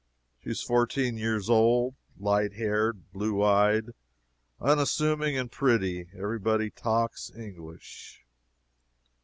She is fourteen years old, light haired, blue eyed, unassuming and pretty. Every body talks English.